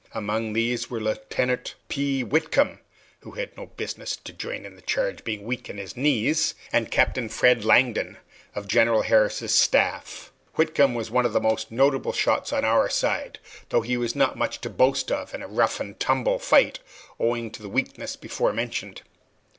Among these were Lieutenant P. Whitcomb (who had no business to join in the charge, being weak in the knees), and Captain Fred Langdon, of General Harris's staff. Whitcomb was one of the most notable shots on our side, though he was not much to boast of in a rough and tumble fight, owing to the weakness before mentioned.